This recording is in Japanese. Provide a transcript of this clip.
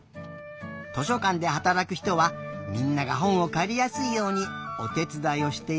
図書かんではたらくひとはみんながほんをかりやすいようにおてつだいをしているんだね。